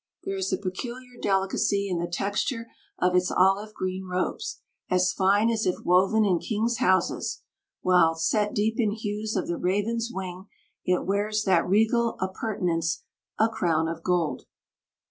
There is a peculiar delicacy in the texture of its olive green robes, as fine as if woven in kings' houses, while, set deep in hues of the raven's wing, it wears that regal appurtenance a crown of gold.